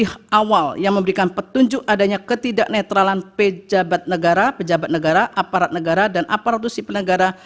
berikut bukti awal yang memberikan petunjuk adanya ketidak netralan pj negara pj negara aparat negara dan aparat usip negara